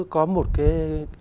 có một cái